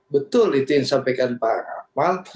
betul itu yang disampaikan pak akmal